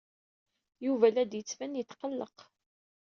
Yuba la d-yettban yetqelleq.